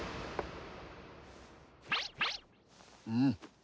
うん？